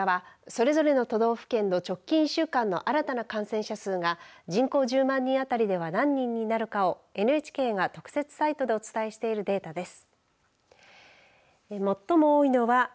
こちらは、それぞれの都道府県の直近１週間の新たな感染者数が人口１０万人当たりでは何人になるかをＮＨＫが特設サイトでお伝えしているデータです。